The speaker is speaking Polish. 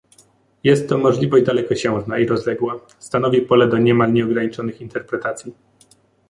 Jest to możliwość dalekosiężna i rozległa, stanowi pole do niemal nieograniczonych interpretacji